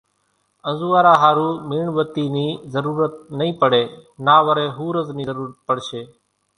انزوئارا ۿارو ميڻ ٻتي نِي ضرورت نئِي پڙي نا وري ۿورز نِي ضرورت پڙشي۔